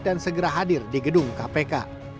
dan segera hadir di gedung kpk